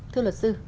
thưa luật sư